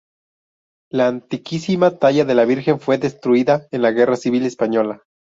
La antiquísima talla de la virgen fue destruida en la Guerra Civil española.